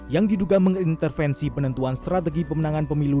yang diduga mengintervensi penentuan strategi pemenangan pemilu